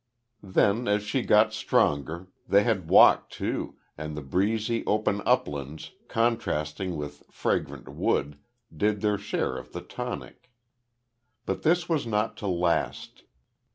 Then, as she got stronger, they had walked too, and the breezy, open uplands, contrasting with fragrant wood, did their share of the tonic. But this was not to last.